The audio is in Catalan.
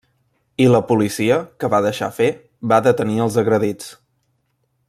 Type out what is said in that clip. I la policia, que va deixar fer, va detenir els agredits.